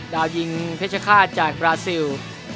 ดาวยิงเพชรฆาตจากบราซิล